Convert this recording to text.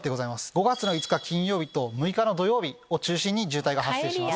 ５月の５日金曜日と６日の土曜日を中心に渋滞が発生します。